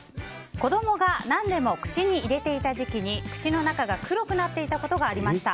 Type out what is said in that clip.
子供が何でも口に入れていた時期に口の中が黒くなっていたことがありました。